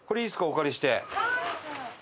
お借りして。